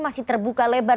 masih terbuka lebar